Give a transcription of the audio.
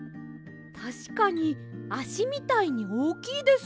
たしかにあしみたいにおおきいです。